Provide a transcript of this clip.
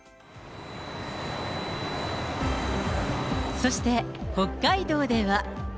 そして、北海道では。